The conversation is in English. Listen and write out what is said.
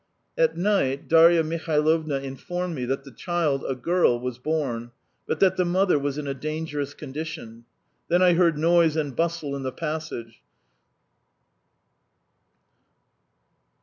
At night, Darya Mihailovna informed me that the child, a girl, was born, but that the mother was in a dangerous condition. Then I heard noise and bustle in the passage.